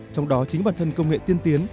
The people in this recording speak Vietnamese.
trong đó chính bản thân công nghệ tiên tiến